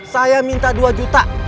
saya minta dua juta